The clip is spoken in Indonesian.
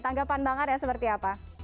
tanggapan banget ya seperti apa